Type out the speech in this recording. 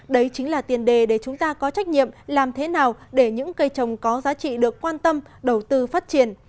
đấy chính là tiền đề để chúng ta có trách nhiệm làm thế nào để những cây trồng có giá trị được quan tâm đầu tư phát triển